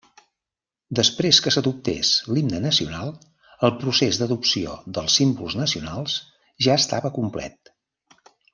Després que s'adoptés l'himne nacional, el procés d'adopció dels símbols nacionals ja estava complet.